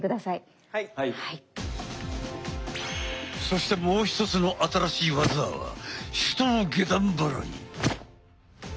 そしてもうひとつの新しい技は手刀下段払い。